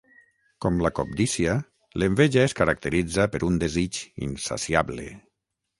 Com la cobdícia, l'enveja es caracteritza per un desig insaciable.